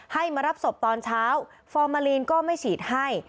ให้มารับศพตอนเช้าฟอร์มาลีนก็ไม่ฉีดให้